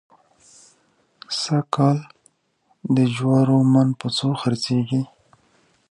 سږکال د جوارو من په څو خرڅېږي؟